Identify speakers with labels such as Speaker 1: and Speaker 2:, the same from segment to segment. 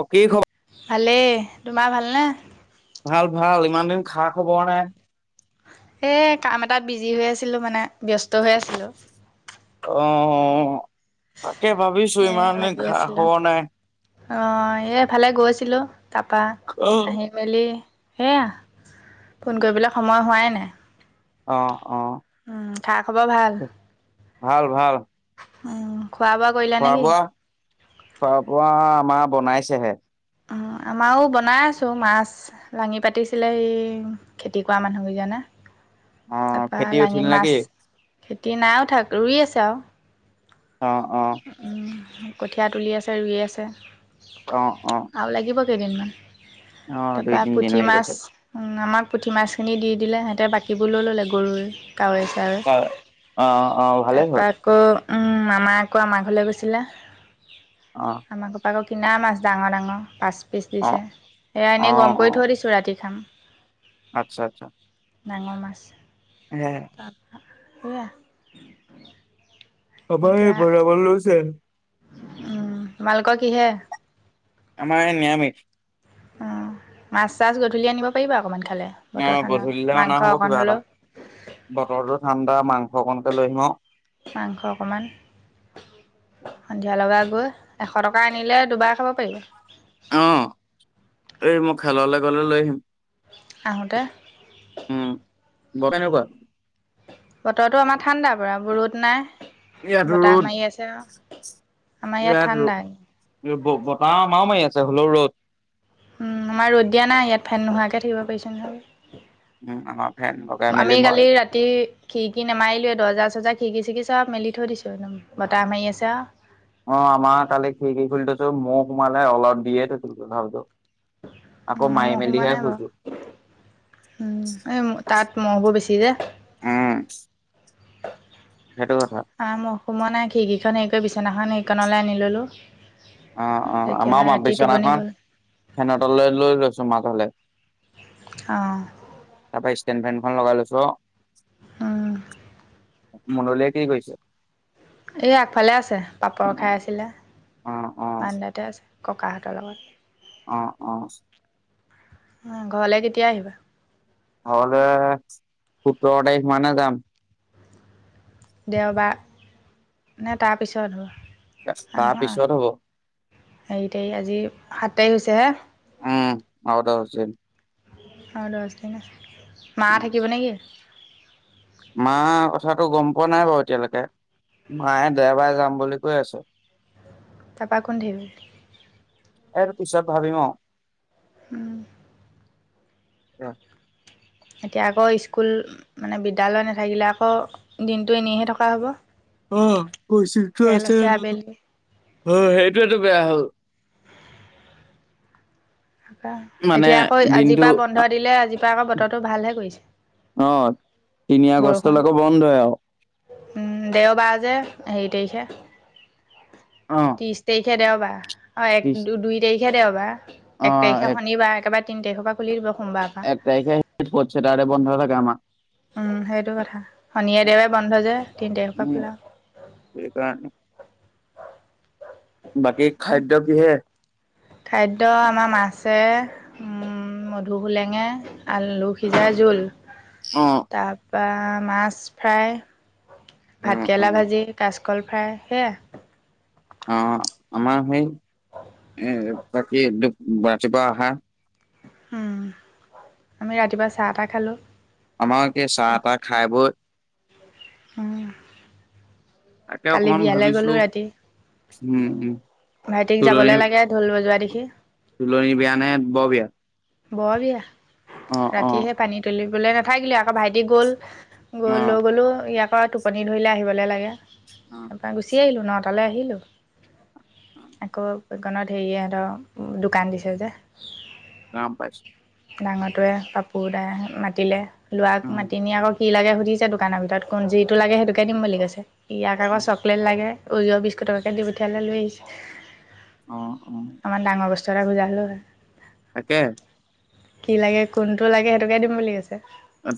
Speaker 1: অ, কি খব-
Speaker 2: ভালেই। তোমাৰ ভালনে?
Speaker 1: ভাল, ভাল। ইমান দিন খা খবৰ নাই?
Speaker 2: এই কাম এটা বিজি হৈ আছিলো মানে ব্যস্ত হৈ আছিলো।
Speaker 1: অ, তাকে ভাবিছো ইমান দিন খা খবৰ নাই?
Speaker 2: অ'হ এ এফালে গৈছিলো তাৰপা
Speaker 1: অ
Speaker 2: আহি মেলি সেয়া। ফোন কৰিবলৈ সময় হোৱাই নাই।
Speaker 1: অ অ।
Speaker 2: উম খা খাব ভাল?
Speaker 1: ভাল ভাল
Speaker 2: উম খোৱা বোৱা কৰিলা
Speaker 1: খোৱা
Speaker 2: নেকি
Speaker 1: বোৱা, খোৱা বোৱা আমাৰ বনাইছেহে।
Speaker 2: অ'হ, আমাৰো বনাই আছো মাছ। লাঙি পাতিছিলে, এই খেতি কৰা মানুহকেইজনে
Speaker 1: অ
Speaker 2: তাৰপৰা
Speaker 1: খেতি উঠিল
Speaker 2: লাঙিত মাছ,
Speaker 1: নেকি
Speaker 2: খেতি নাই উঠা, ৰুই আছে আৰু।
Speaker 1: অ অ।
Speaker 2: কঠীয়া তুলি আছে ৰুই আছে।
Speaker 1: অ অ।
Speaker 2: আৰু লাগিব কেইদিনমান,
Speaker 1: অ দুই
Speaker 2: তাৰপা
Speaker 1: তিনিদিন
Speaker 2: পুঠি
Speaker 1: লাগিব
Speaker 2: মাছ।
Speaker 1: চাগে
Speaker 2: উম' আমাক পুঠি মাছখিনি দি দিলে, সিহঁতে বাকীবোৰ লৈ ল'লে গৰৈ। কাৱৈ-চাৱৈ
Speaker 1: অ অ ভালেই হ'ল
Speaker 2: তাৰপৰা। আকৌ উম' মামা আকৌ আমাৰ ঘৰলে গৈছিলে,
Speaker 1: অ
Speaker 2: আমাৰ ঘৰৰ পৰা আকৌ কিনা মাছ ডাঙৰ-ডাঙৰ পাঁচ পিচ
Speaker 1: অ
Speaker 2: দিছে, সেইয়া
Speaker 1: অ
Speaker 2: এনেই গৰম কৰি থৈ দিছোঁ, ৰাতি খাম।
Speaker 1: আচ্ছা-আচ্ছা।
Speaker 2: ডাঙৰ মাছ
Speaker 1: সেইয়া
Speaker 2: তাৰপা সেইয়া। [unintelligible]
Speaker 1: অ, ভাত এই বনাৱ লৈছে আৰু।
Speaker 2: উম' তোমালোকৰ কিহে?
Speaker 1: আমাৰ এ নিৰামিষ।
Speaker 2: অ, মাছ-চাছ গধূলি আনিব পাৰিবা অকণমান খালে।
Speaker 1: অ,
Speaker 2: বতৰ ঠাণ্ডা
Speaker 1: গধূলিলে অনা
Speaker 2: মাংস
Speaker 1: হ'ব
Speaker 2: অকণ
Speaker 1: কিবা এটা,
Speaker 2: হ'লেও
Speaker 1: বতৰটোও ঠাণ্ডা মাংস অকণকে লৈ আহিম আৰু।
Speaker 2: মাংস অকণমান। সন্ধিয়া লগাই গৈ, এশ টকা আনিলে, দুবাৰ খাব পাৰিব।
Speaker 1: অ, এই মই খেললে গ'লে লৈ আহিম।
Speaker 2: আহোঁতে।
Speaker 1: উম' বতৰ কেনেকুৱা?
Speaker 2: বতৰটো আমাৰ ঠাণ্ডা পুৰা ৰ'দ নাই।
Speaker 1: ইয়াত
Speaker 2: বতাহ
Speaker 1: ৰ'দ
Speaker 2: মাৰি আছে। আৰু আমাৰ ইয়াত ঠাণ্ডা।
Speaker 1: বতাহ আমাৰো মাৰি আছে। হ'লেও ৰ'দ
Speaker 2: উম' আমাৰ ৰ'দ দিয়া নাই। ইয়াত ফেন নোহোৱাকে থাকিব পাৰিছো নহয়।
Speaker 1: উম' আমাৰ ফেন লগাই
Speaker 2: আমি
Speaker 1: মেলি
Speaker 2: কালি
Speaker 1: মই
Speaker 2: ৰাতি খিৰিকি নামাৰিলেও দৰ্জাৰ-চৰ্জাৰ, খিৰিকি-চিৰিকি চব মেলি থৈ দিছোঁ একদম, বতাহ মাৰি আছে আৰু।
Speaker 1: অ, আমাৰ তালে খিৰিকী খুলি থৈছো, ম'হ সোমালে, অলাওত দিয়ে থৈছো। তথাপিতো আকৌ
Speaker 2: আমাৰ
Speaker 1: মাৰি
Speaker 2: ম'হ সোমোৱা
Speaker 1: মেলিহে
Speaker 2: নাই
Speaker 1: শুইছো।
Speaker 2: বাৰু। উম' এই তাত মহ'বোৰ বেছি যে।
Speaker 1: অ।
Speaker 2: [inaudible]
Speaker 1: সেইটো কথা।
Speaker 2: অ, ম'হ সোমোৱা নাই, খিৰকীখন হেৰি কৰি, বিছনাখন সেইকণলৈ আনি ল'লোঁ।
Speaker 1: অ-অ
Speaker 2: তেতিয়া
Speaker 1: আমাৰ মা
Speaker 2: ৰাতি টোপনি
Speaker 1: বিচনাখন
Speaker 2: গ'ল
Speaker 1: সিহতলে লৈ লৈছো মাকলে।
Speaker 2: অ।
Speaker 1: তাৰপা ষ্টেণ্ড ফেনখন, লগাই লৈছো আৰু।
Speaker 2: উম'
Speaker 1: মনলিয়াই কি কৰিছে?
Speaker 2: এই আগফালে আছে, পাপৰ খাই আছিলে,
Speaker 1: অ', অ',
Speaker 2: বাৰান্দাতে আছে। ককাহঁতৰ লগত।
Speaker 1: অ-অ।
Speaker 2: উম' ঘৰলে কেতিয়া আহিবা?
Speaker 1: ঘৰলে সোত্তৰ তাৰিখ মানে যাম-
Speaker 2: দেওবাৰ নে তাৰপিছত হ'ব।
Speaker 1: তাৰ
Speaker 2: নহয়
Speaker 1: পিছত হ'ব।
Speaker 2: হেৰি তাৰিখ আজি সাত তাৰিখ হৈছে হে।
Speaker 1: উম আৰু এটা হোষ্টেল।
Speaker 2: অ দছদিনা, মা থাকিব নেকি?
Speaker 1: মা কথাাতো গম পোৱা নাই বাৰু এতিয়ালৈকে। মায়ে দেওবাৰে যাম বুলি কৈ আছে।
Speaker 2: তাৰপা কোন থাকিব?
Speaker 1: এইটো পিছত ভাবিম অ।
Speaker 2: উম। এতিয়া আকৌ স্কুল মানে বিদ্যালয় নাথাকিলে আকৌ দিনটো এনেইহে থকা হ'ব।
Speaker 1: অ কুচিংটো
Speaker 2: খেল
Speaker 1: আছে,
Speaker 2: আবেলি
Speaker 1: অ সেইটোৱেটো বেয়া হ'ল।
Speaker 2: কা,
Speaker 1: মানে
Speaker 2: এতিয়া আকৌ আজিৰ
Speaker 1: দিনটো
Speaker 2: পৰা বন্ধ দিলে আজিৰ পৰা আকৌ বতৰটো ভালহে কৰিছে।
Speaker 1: অ তিনি আগষ্টলৈকে বন্ধয়ে আৰু।
Speaker 2: উম দেওবাৰ যে হেৰি তাৰিখে
Speaker 1: অ',
Speaker 2: ত্ৰিশ তাৰি খে দেওবাৰ, অ এক
Speaker 1: ত্ৰিশ
Speaker 2: দু দুই তাৰিখে দেওবাৰ, এক তাৰিখে শনিবাৰ একেবাৰে তিন তাৰিখৰ পৰা খুলিব দিব সোমবাৰ।
Speaker 1: এক তাৰিখে ফৰ্থ ছেটাৰদে বন্ধ থাকে আমাৰ।
Speaker 2: উম সেইটো কথা, শনিয়ে দেৱে বন্ধ যে তিন তাৰিখৰ পৰা খোলা।
Speaker 1: বুলি কোৱা, বাকী খাদ্য কিহে
Speaker 2: খাদ্য আমাৰ মাছে উম উম মধুসুলেঙে আলু সিজাই জোল।
Speaker 1: অ।
Speaker 2: তাৰপৰা মাছ ফ্ৰাই,
Speaker 1: উম,
Speaker 2: ভাতকেৰেলা
Speaker 1: উম।
Speaker 2: ভাজি, কাচ কলফাই সেয়া।
Speaker 1: অ আমাৰ সেই এ বাকী ৰাতিপুৱা শা
Speaker 2: হুম, আমি ৰাতিপুৱা চাহ - তাহ খালো।
Speaker 1: আমাৰ এই চাহ - তাহ খাই বৈ
Speaker 2: উম।
Speaker 1: এ
Speaker 2: কালি
Speaker 1: অকমান
Speaker 2: বিয়ালৈ
Speaker 1: ভাবিছো
Speaker 2: গ'লোঁ ৰাতি
Speaker 1: উম উম।
Speaker 2: ভাইটিক যাবলৈ লাগে, ঢোল বজোৱা দেখি।
Speaker 1: তুলনী বিয়া নে বৰ বিয়া?
Speaker 2: বৰ বিয়া,
Speaker 1: অ অ
Speaker 2: ৰাতিহে পানী তুলিবলৈ নাথাকিলে আকৌ ভাইটি গল।
Speaker 1: অ
Speaker 2: গৈ লৈ গ'লো ইয়াক টোপনি ধৰিলে আহিবলৈ লাগে।
Speaker 1: অ।
Speaker 2: তাৰপৰা গুচি আহিলোঁ ন তালৈ আহিলোঁ। আকৌ দোকানত হেৰিয়ে হেঁত দোকান দিছে যে।
Speaker 1: গম পাইছোঁ।
Speaker 2: ডাঙৰটোৱে পাপু দাই মাতিলে লোৱা
Speaker 1: অ
Speaker 2: মাতি নি আকৌ কি লাগে সুধিছে দোকানৰ ভিতৰত কোন যিটো লাগে সেইটোকে দিম বুলি কৈছে ইয়াক আকৌ
Speaker 1: উম,
Speaker 2: চক লেট লাগে, অৰিয় বিস্কুট এতাকে দি পঠিয়ালে লৈ আহিছে।
Speaker 1: অ অ।
Speaker 2: অকমান ডাঙৰ বস্তু এটা খুজা হ'লে হয়।
Speaker 1: তাকে।
Speaker 2: কি লাগে কোনটো লাগে সেইটোকে দিম বুলি কৈছে?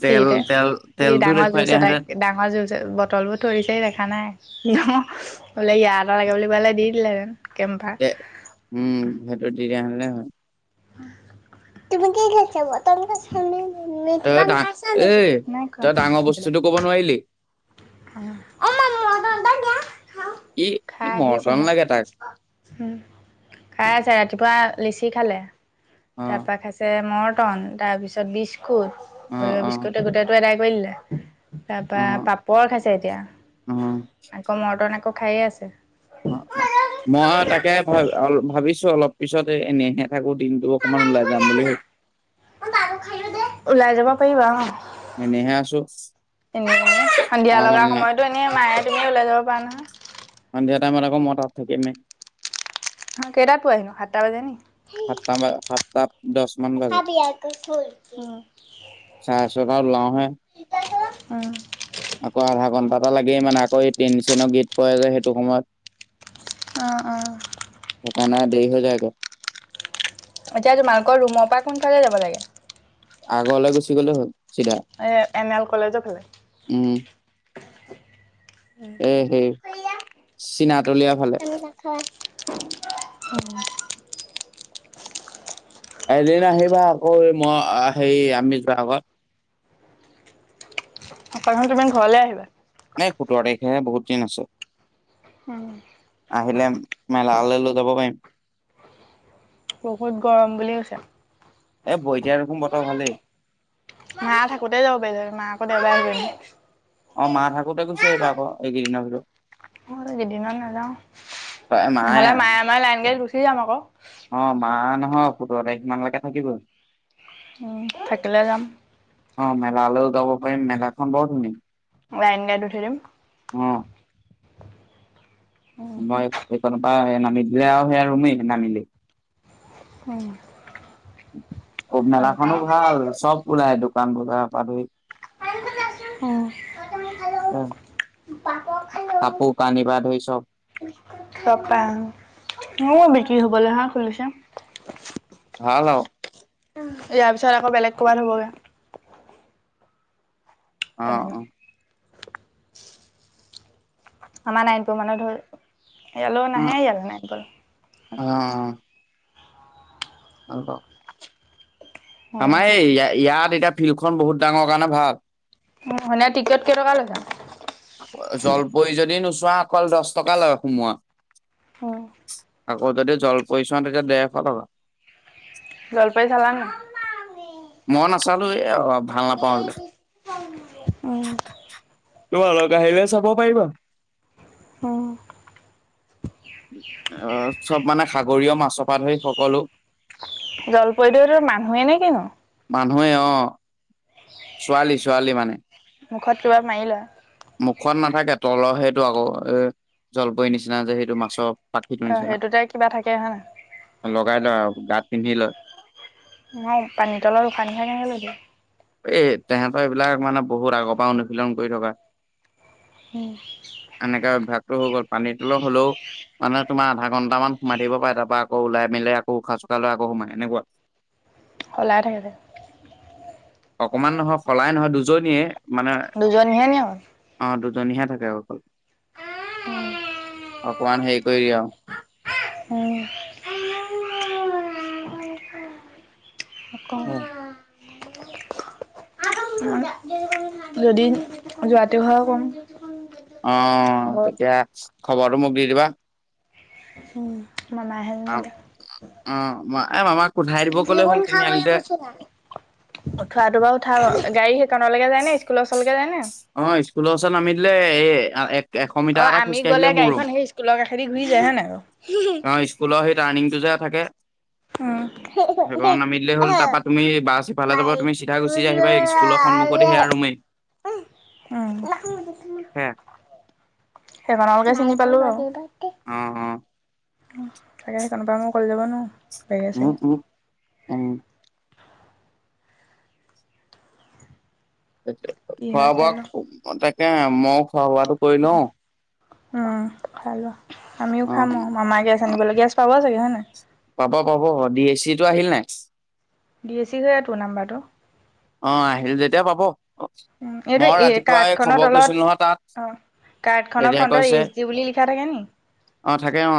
Speaker 1: তেল
Speaker 2: ফ্ৰিৰিতে,
Speaker 1: তেল
Speaker 2: ই
Speaker 1: তেলটো
Speaker 2: ডাঙৰ
Speaker 1: দেখুৱাই
Speaker 2: জুচ এটা
Speaker 1: দিয়াহেঁতেন
Speaker 2: ডাঙৰ জুচ ত বটলবোৰ থৈ দিছে সি দেখা নাই হ অ বোলে ইয়াৰ এটা লাগে বুলি কৈ দিলে দি দিলেহেতেন। কেম্ভা
Speaker 1: তে উম সেইটো দি দিয়া হলে হয়।
Speaker 2: তুমি কি খাইছা ব? [inaudible] মিঠা
Speaker 1: তই
Speaker 2: পান
Speaker 1: ডা
Speaker 2: খাইচা নেকি
Speaker 1: এই
Speaker 2: নাই
Speaker 1: তই ডাঙৰ
Speaker 2: কোৱা
Speaker 1: বস্তুটো ক'ব নোৱাৰিলি।
Speaker 2: উম অ মা মই ভাল পাওঁ দিয়া খাও,
Speaker 1: ই ই
Speaker 2: খাই আহিছে
Speaker 1: মৰ্টন
Speaker 2: হে।
Speaker 1: লাগে তাক
Speaker 2: উম, খাই আছে ৰাতিপুৱা লিচি খালে।
Speaker 1: অ
Speaker 2: তা পা খাইছে মৰ্টন তাৰ পিছত বিস্কুট
Speaker 1: অ
Speaker 2: অৰিয়
Speaker 1: অ
Speaker 2: বিস্কুট গোটেই টো এদাই কৰি দিলে, তাৰ
Speaker 1: অ
Speaker 2: পৰা পাপৰ খাইছে এতিয়া।
Speaker 1: অ
Speaker 2: আকৌ মটন আকৌ খায়েই আছে।
Speaker 1: অ অ মই তাকে ভা অ ভাবিছো অলপ পিছত এনেহে থাকো দিনটো অকমান ওলাই যাম বুলি ভা'ই [inaudible]
Speaker 2: ওলাই যাব পাৰিবা অ,
Speaker 1: আছো
Speaker 2: এনে সন্ধিয়া
Speaker 1: কাম বন
Speaker 2: লগা
Speaker 1: নাই
Speaker 2: সময়ত এনেই মায়ে তুমি ওলাই যাব পাৰা নহয়।
Speaker 1: সন্ধিয়া টাইমত আকৌ মই তাত থাকিমেই।
Speaker 2: কেইটাত পোৱাহিনো সাতটা বাজে নি? সি
Speaker 1: সাতটা বা সাতটা দহ মান বাজে
Speaker 2: নাখাবি আকৌ খোল। উ
Speaker 1: চাৰে চ টাত লোৱাও হে
Speaker 2: [unintelligible] উম
Speaker 1: আকৌ আধা ঘণ্টা এটা লাগেই মানে আকৌ এই ট্টেইন ষ্টেইন চনৰ গীত কৰে যে সেইটো সময়ত
Speaker 2: অ অ
Speaker 1: সেইকাণে দেৰি হৈ যায় ক।
Speaker 2: এতিয়া তোমালোকৰ ৰুমৰ পৰা কোনফালে যাব লাগে?
Speaker 1: আগ ওলাই গুচি গ'লে হ'ল। চিধা
Speaker 2: এই এন এল কলেজৰ ফালে।
Speaker 1: উম এ সেই চীনাতলীয়া ফালে
Speaker 2: হয় অ।
Speaker 1: এদিন আহিবা আকৌ মই হে আমি যোৱাৰ আগত।
Speaker 2: আক চোন তুমি ঘৰলে আহিবা।
Speaker 1: নে সোতৰ তাৰিখে বহুত দিন আছে।
Speaker 2: [unintelligible]
Speaker 1: আহিলে মেলা লে লৈ যাব পাৰিম।
Speaker 2: বহুত গৰম বুলি কৈছে।
Speaker 1: এ বইতিয়াৰ দেখোন বতৰ ভালেই।
Speaker 2: মা থাকোতে যাব পাৰিলোঁহেঁতেন মা আকৌ দেওবাৰে আহিবহে।
Speaker 1: অ মা থাকোতে গুছি আহিবা আক এইকেইদিনৰ ভিতৰত।
Speaker 2: অ কেইদিনমান নাযাও নহলে মায়ে মই লাইন গাড়ীত গুচি যাম আক।
Speaker 1: অ মা নহয় সোতৰ তাৰিখ মানলৈকে থাকিব।
Speaker 2: উম থাকিলে যাম।
Speaker 1: অ মেলালেও যাব পাৰিম মেলাখন বৰ ধুনী-
Speaker 2: লাইন গাড়ীত উঠি দিম।
Speaker 1: অ।
Speaker 2: উম
Speaker 1: মই সেইকনৰ পৰা নামি দিলে আৰু সেয়া ৰুমেই নামিলি।
Speaker 2: অ।
Speaker 1: অব মেলাখনো ভাল চব ওলাই দোকান বজাৰ পৰা ধৰি।
Speaker 2: [unintelligible] অ
Speaker 1: অ কাপোৰ কানি পা ধৰি চব।
Speaker 2: চপা অ বিক্ৰী হবলৈ হা খুলিছে।
Speaker 1: ভাল আও।
Speaker 2: ইয়াৰ পিছত আকৌ বেলেগ ক'বাত হবগে।
Speaker 1: অ
Speaker 2: তেনেকে
Speaker 1: অ।
Speaker 2: আমাৰ নাইটো মানে ধৰ ইয়ালো নাহে ইয়ালো নাই বল।
Speaker 1: অহ্। আৰু ক।
Speaker 2: হয়
Speaker 1: আমাৰ এই ইয়া ইয়াত এতিয়া ফিল্ডখন বহুত ডাঙৰ কাৰণে ভাল।
Speaker 2: উম মানে টিকেট কেইটকা লৈচা?
Speaker 1: মো অ জলপৰি যদি নোচোৱা অকল দচ টকা লয় সোমোৱা।
Speaker 2: অ।
Speaker 1: আকৌ যদি জল পজিছন তেতিয়া দেৰশ টকা।
Speaker 2: জলপাৰী চালা নাই?
Speaker 1: মই নাচালোয়ে এ অ ভাল নাপাওঁ সেইবিলাক।
Speaker 2: উম,
Speaker 1: তো অলগা আহিলে চাব পাৰিবা?
Speaker 2: হয়।
Speaker 1: অ চব মানে সাগৰীয় মাছৰপাত সেই সকলো
Speaker 2: জলপৰীতো সেইটো মানুহে নে কিনো?
Speaker 1: মানুহে অ, ছোৱালী - ছোৱালী মানে।
Speaker 2: মুখত তবাৰ মাৰি লোৱা।
Speaker 1: মুখত নাথাকে তলৰ সেইটো আকৌ এ জলপৰিৰ নিচিনা যে সেইটো মাছৰ। পাখিটো
Speaker 2: অ',
Speaker 1: নিচিনা।
Speaker 2: সেইটোতে কিবা থাকে হয় নাই?
Speaker 1: লগাই লয় আৰু গাঁত পিন্ধি লয়।
Speaker 2: মই পানী তলৰ উশানী সেই কেনেকে লৈ দিও।
Speaker 1: এ তেহেঁতৰ এইবিলাক মানে বহুত আগৰ পৰা অনুশীলন কৰি থকা।
Speaker 2: উম।
Speaker 1: এনেকাে অভ্যাসটো হৈ গ'ল পানীৰ তল হলেও মানে তোমাৰ আধা ঘণ্টামান সোমাই থাকিব পাৰে তাপা আকৌ ওলাই মেলি আকৌ উশাহ- চোশাহ লয় আকৌ সোমাই এনেকুৱা।
Speaker 2: সলাই থাকে যে।
Speaker 1: অকমান নহয় সলাই নহয় দুজনীয়ে মানে
Speaker 2: দুজনীহে নি অকল?
Speaker 1: অ দুজনীহে থাকে অকল, অকমান হেৰি কৰি দিয়ে আৰু।
Speaker 2: উম।
Speaker 1: উম।
Speaker 2: যদি যোৱাটো হয় কম।
Speaker 1: অ
Speaker 2: আকৌ
Speaker 1: তেতিয়া চি খবৰটো মোক দি দিবা।
Speaker 2: উম মামা আহে জানো এতিয়া।
Speaker 1: অ মা এই মামাক ওথাই দিব ক'লে হ'ল তিনিআলিতে।
Speaker 2: উঠোৱাতো বাৰু উঠাব, গাড়ী সেইখনলৈকে যায় নে স্কুলৰ ওচৰলৈকে যায় নে?
Speaker 1: অ স্কুলৰ ওচৰত নামি দিলে এ আ এক এশ
Speaker 2: অ
Speaker 1: মিটাৰ এটা
Speaker 2: আমি
Speaker 1: খোজকাঢ়ি দিলে
Speaker 2: গ'লে
Speaker 1: মোৰ ৰুম।
Speaker 2: গাড়ীখন সেই স্কুলৰ কাষেদি ঘূৰি যায় হয় নাই বাৰু?
Speaker 1: কুলৰ সেই টাৰ্ণিংটো যে থাকে।
Speaker 2: উম।
Speaker 1: সেইখনত নামি দিলেই হ'ল,
Speaker 2: উম,
Speaker 1: তাপা তুমি বাছ সিফালে যাব তুমি চিধা গুচ চি আহিবা স্কুলৰ সন্মুখতে সেয়া ৰুমেই।
Speaker 2: অহ, উম নাহো মই [inaudible]
Speaker 1: সেয়া।
Speaker 2: সেইখনলকে চিঙি পালো আৰু।
Speaker 1: অ অ।
Speaker 2: তাকে সেইকনৰ পৰা মই অকলে যাব নোৱাৰো।
Speaker 1: উম উম উম।
Speaker 2: কি
Speaker 1: খোৱা
Speaker 2: হয়
Speaker 1: -
Speaker 2: চাই
Speaker 1: বোৱা,
Speaker 2: লওঁ।
Speaker 1: তাকে মই খোৱা - বোৱাটো কৰি লওঁ
Speaker 2: উম খাই লোৱা, আমিও খাম অ মামাৰ গেছ আনিবলৈ গেছ পাব চাগে হয় নাই?
Speaker 1: পাব পাব ডি এ চিটো আহিল নেক্স?
Speaker 2: ডি এ চি সেইটো নাম্বাৰটো।
Speaker 1: অ আহিল যেতিয়া পাব অ
Speaker 2: উম এইটো এই কাৰ্ডখনৰ
Speaker 1: তাত
Speaker 2: তলত উম। কাৰ্ডখনৰ
Speaker 1: তেতিয়া
Speaker 2: ফনটত
Speaker 1: কৈছে
Speaker 2: এছ ডি বুলি লিখা থাকে নি?
Speaker 1: অ থাকে অ।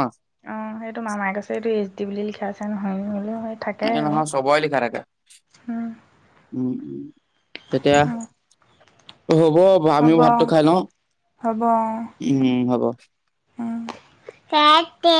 Speaker 2: অঁ সেইটো মামাৰ কৈছে এইটো এইচ ডি বুলি লিখা আছে নহয় বোলেও হয়।
Speaker 1: এ নহয় চবৰে লিখা থাকে।
Speaker 2: উম,
Speaker 1: উম উ তেতিয়া
Speaker 2: উম
Speaker 1: হ'ব। হব আমিও ভাতটো খাই লও
Speaker 2: হ'ব
Speaker 1: উম হ'ব।
Speaker 2: উম পাতে।